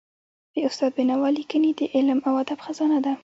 د استاد بینوا ليکني د علم او ادب خزانه ده.